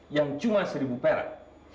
yang cuma seribu perak